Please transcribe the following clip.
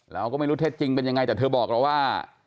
เราก็ไม่รู้เท็จจริงเป็นยังไงแต่เธอบอกเราว่า